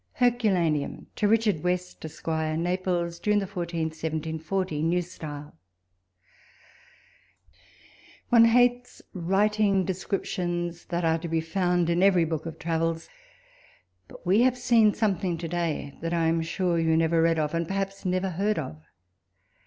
.. HERClLAyEUM. To Richard West, Esq. Naples, June 14, 1740, N.S. One hates writing descriptions that are to be found in every book of travels ; but we have seen something to day that I am sure you never read of, and perhaps never heard of.